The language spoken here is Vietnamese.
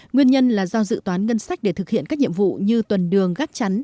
nguyên nhân là do dự toán ngân sách để thực hiện các nhiệm vụ như tuần đường gác chắn